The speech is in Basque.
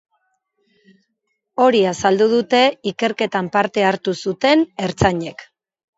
Hori azaldu dute ikerketan parte hartu zuten ertzainek.